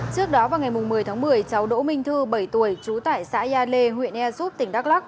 trước đó vào ngày một mươi tháng một mươi cháu đỗ minh thư bảy tuổi trú tại xã gia lê huyện ea súp tỉnh đắk lắc